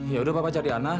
yaudah papa cari ana